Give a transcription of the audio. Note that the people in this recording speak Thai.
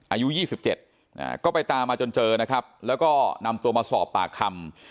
อายุ๒๗ก็ไปตามมาจนเจอนะครับแล้วก็นำตัวมาสอบปากคำ